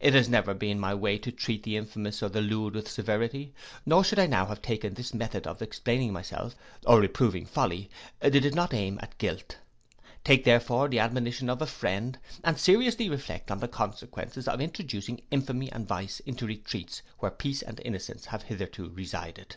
It has never been my way to treat the infamous or the lewd with severity; nor should I now have taken this method of explaining myself, or reproving folly, did it not aim at guilt. Take therefore the admonition of a friend, and seriously reflect on the consequences of introducing infamy and vice into retreats where peace and innocence have hitherto resided.